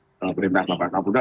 pertama perintah pak kapolri